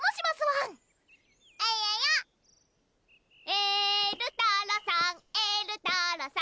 「えるたろさんえるたろさん」